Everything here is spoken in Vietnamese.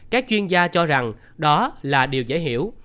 các chuyên gia cho rằng đó là điều dễ hiểu